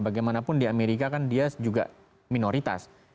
bagaimanapun di amerika kan dia juga minoritas